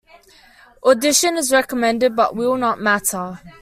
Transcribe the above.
Audition is recommended but will not matter.